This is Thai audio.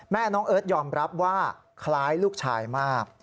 น้องเอิร์ทยอมรับว่าคล้ายลูกชายมาก